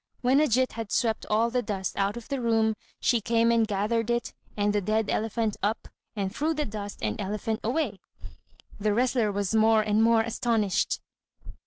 When Ajít had swept all the dust out of the room, she came and gathered it and the dead elephant up, and threw dust and elephant away. The wrestler was more and more astonished.